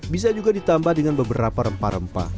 bisa juga ditambah dengan beberapa rempah rempah